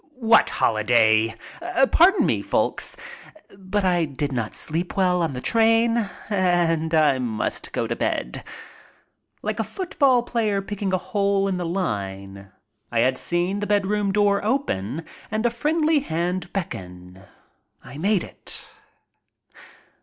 "What holiday?" "Pardon me, folks, but I did not sleep well on the train and I must go to bed." Like a football player picking a hole in the line, I had 6 ^ MY TRIP ABROAD seen the bedroom door open and a friendly hand beckon. I made it.